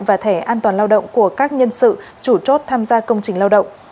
và thẻ an toàn lao động của các nhân sự chủ chốt tham gia công trình lao động